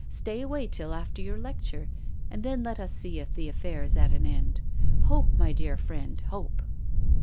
Stay away till after your lecture. And then let us see if the afTair is at an end. Hope, my dear friend, hope."